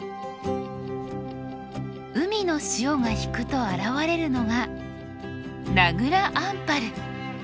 海の潮が引くと現れるのが名蔵アンパル。